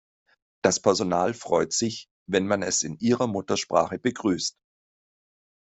Das Personal freut sich, wenn man es in ihrer Muttersprache begrüßt.